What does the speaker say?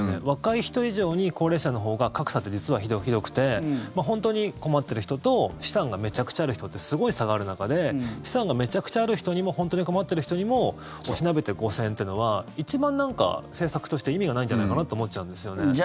若い人以上に高齢者のほうが格差って実はひどくて本当に困ってる人と資産がめちゃくちゃある人ってすごい差がある中で資産がめちゃくちゃある人にも本当に困ってる人にも押しなべて５０００円というのは一番なんか、政策として意味がないんじゃないかなと思っちゃうんですよね。